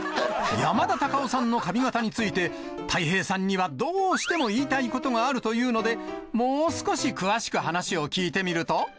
山田隆夫さんの髪形について、たい平さんにはどうしても言いたいことがあるというので、もう少し詳しく話を聞いてみると。